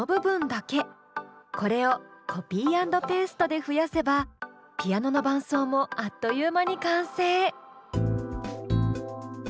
これをコピー＆ペーストで増やせばピアノの伴奏もあっという間に完成。